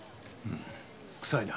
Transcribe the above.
臭いな